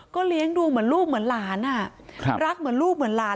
เลี้ยงดูเหมือนลูกเหมือนหลานรักเหมือนลูกเหมือนหลาน